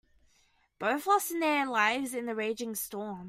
Both lost their lives in the raging storm.